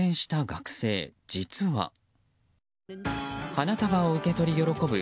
花束を受け取り喜ぶ